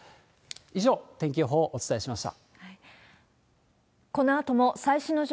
以上、天気予報をお伝えしました。